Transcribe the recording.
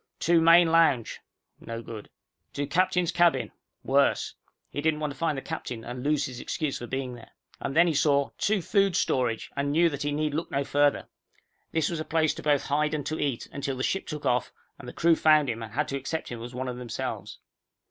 TO MAIN LOUNGE no good. TO CAPTAIN'S CABIN worse. He didn't want to find the captain and lose his excuse for being there. And then he saw TO FOOD STORAGE and knew that he need look no further. This was a place both to hide and to eat, until the ship took off, and the crew found him, and had to accept him as one of themselves.